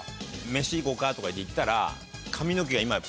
「飯行こうか」とか言って行ったら。